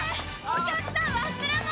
お客さん忘れ物！